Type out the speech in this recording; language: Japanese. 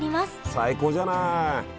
最高じゃない！